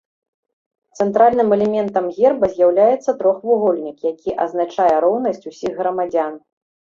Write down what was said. Цэнтральным элементам герба з'яўляецца трохвугольнік, які азначае роўнасць усіх грамадзян.